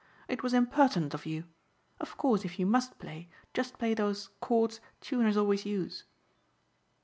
It was impertinent of you. Of course if you must play just play those chords tuners always use."